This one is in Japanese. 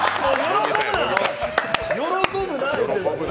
喜ぶな！